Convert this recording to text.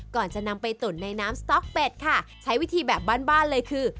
ก่อนจะนำไปตุ๋นในน้ำสต๊อกเป็ดค่ะใช้วิธีแบบบ้านบ้านเลยคือ